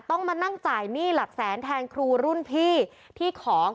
ต้องมานั่งจ่ายหนี้หลักแสนแทนครูรุ่นพี่ที่ขอ